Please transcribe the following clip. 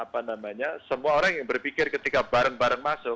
apa namanya semua orang yang berpikir ketika bareng bareng masuk